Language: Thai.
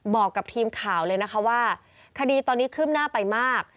บอกกับทีมข่าวเลยนะคะว่าคดีตอนนี้ขึ้นหน้าไปมาก